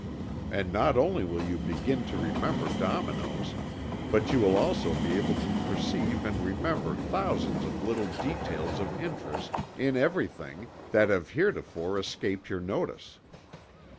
And not only will you begin to remember dominoes, but you will also be able to perceive and remember thousands of little details of interest, in everything, that have heretofore escaped your notice.